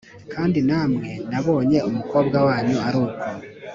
kandi namwe nabonye umukobwa wanyu ari uko